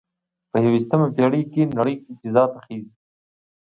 په یوویشتمه پیړۍ کې نړۍ فضا ته خیږي